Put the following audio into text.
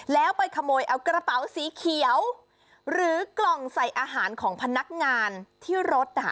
แล้วไปขโมยเอากระเป๋าสีเขียวหรือกล่องใส่อาหารของพนักงานที่รถนะคะ